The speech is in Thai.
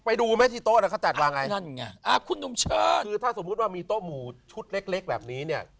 ไปดูไหมที่โต๊ะน่ะอาจารย์วางไงคือถ้าสมมติว่ามีโต๊ะหมูชุดเล็กแบบนี้เนี่ย